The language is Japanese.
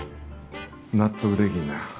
納得できんな。